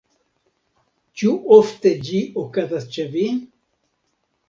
Ĉu ofte ĝi okazas ĉe vi?